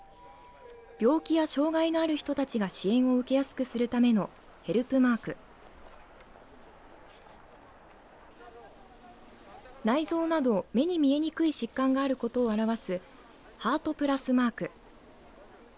病気や障害のある人たちが支援を受けやすくするためのヘルプマーク内臓など目に見えにくい疾患があることを表すハート・プラスマーク。